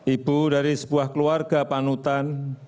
ibu dari sebuah keluarga panutan